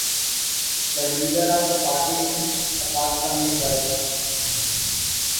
The leader of the party sleeps apart from his wife.